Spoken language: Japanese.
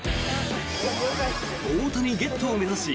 大谷ゲットを目指し